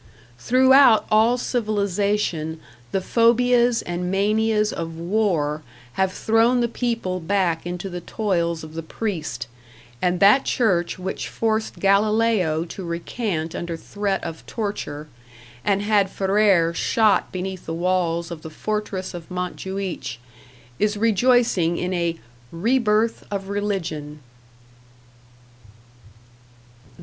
Throughout all civilization, the phobias and manias of war have thrown the people back into the toils of the priest, and that church which forced Galileo to recant under threat of torture, and had Ferrer shot beneath the walls of the fortress of Montjuich, is rejoicing in a "rebirth of religion".